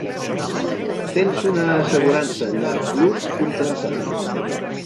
Tens una assegurança Llar plus contractada.